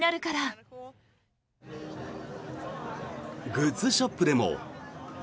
グッズショップでも。